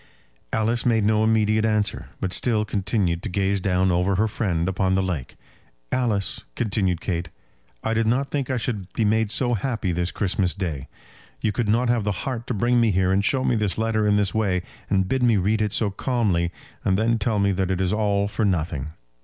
Alice made no immediate answer, but still continued to gaze down over her friend upon the lake. "Alice," continued Kate, "I did not think I should be made so happy this Christmas Day. You could not have the heart to bring me here and show me this letter in this way, and bid me read it so calmly, and then tell me that it is all for nothing.